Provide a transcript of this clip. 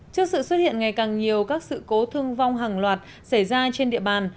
trước sự xuất hiện ngày càng nhiều các sự cố thương vong hàng loạt xảy ra trên địa bàn